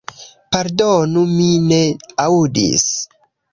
Pardonu, mi ne aŭdis.